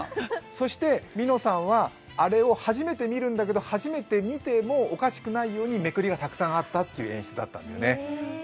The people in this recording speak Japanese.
そして、みのさんはあれを初めて見るんだけど初めてみてもおかしくないようにめくりがたくさんあったという演出だったんだよね。